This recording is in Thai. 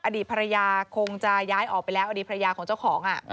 อดีตภรรยาคงจะย้ายออกไปแล้วอดีตภรรยาของเจ้าของ